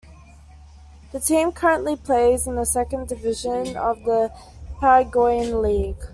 The team currently plays in the second division of the Paraguayan League.